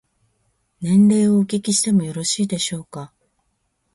年齢をお聞きしてもよろしいでしょうか。